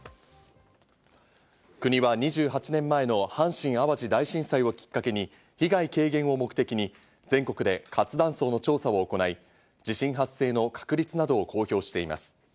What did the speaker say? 国は２８年前の阪神・淡路大震災をきっかけに被害軽減を目的に、全国で活断層の調査を行い、地震発生の確率などを公表しています。